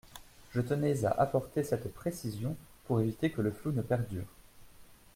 Je tenais à apporter cette précision pour éviter que le flou ne perdure.